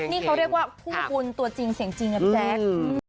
นี่เขาเรียกว่าคู่บุญตัวจริงเสียงจริงนะแจ๊ค